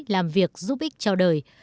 làm việc giúp ích cho đời